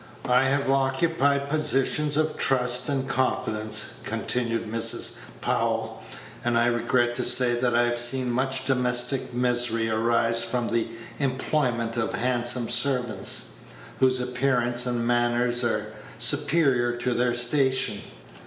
"I have occupied positions of trust and confidence," continued Mrs. Powell, "and I regret to say that I have seen much domestic misery arise from the employment of handsome servants, whose appearance and manners are superior to their station.